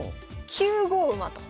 ９五馬と。